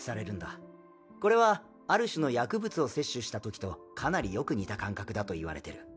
これはある種の薬物を摂取したときとかなりよく似た感覚だといわれてる。